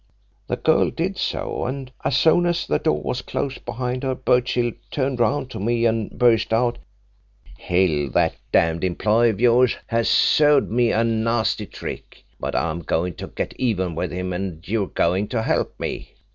"The girl did so, and as soon as the door was closed behind her Birchill turned round to me and burst out, 'Hill, that damned employer of yours has served me a nasty trick, but I'm going to get even with him, and you're going to help me!'